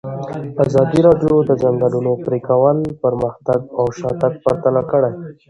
ازادي راډیو د د ځنګلونو پرېکول پرمختګ او شاتګ پرتله کړی.